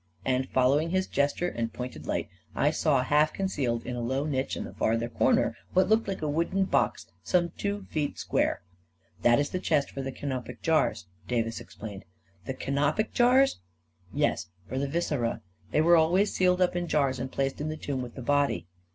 and following his gesture and 2i6 A KING IN BABYLON pointed light, I saw, half concealed in a low niche in the farther corner, what looked like a wooden box some two feet square. " That is the chest for the canopic jars," Davis ex plained. 11 The canopic jars? " "Yes — for the viscera. They were always sealed up in jars and placed in the tomb with the body.